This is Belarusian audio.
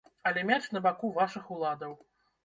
Але мяч на баку вашых уладаў.